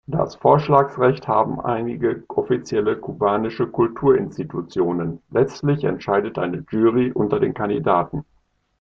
Das Vorschlagsrecht haben einige offizielle kubanische Kulturinstitutionen; letztlich entscheidet eine Jury unter den Kandidaten.